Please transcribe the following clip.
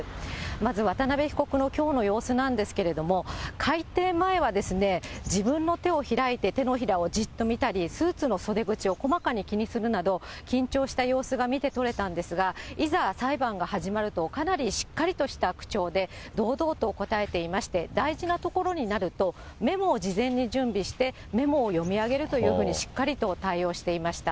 まず渡辺被告のきょうの様子なんですけれども、開廷前は自分の手を開いて、手のひらをじっと見たり、スーツの袖口を細かに気にするなど、緊張した様子が見て取れたんですが、いざ裁判が始まると、かなりしっかりとした口調で堂々と答えていまして、大事なところになると、メモを事前に準備して、メモを読み上げるというふうに、しっかりと対応していました。